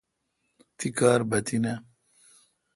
تی کار بہ تی ناں